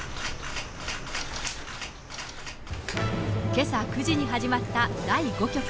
けさ９時に始まった第５局。